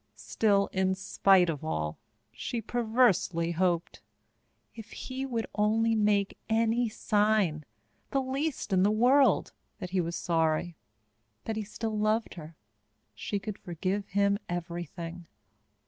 Still, in spite of all, she perversely hoped. If he would only make any sign, the least in the world, that he was sorry that he still loved her she could forgive him everything.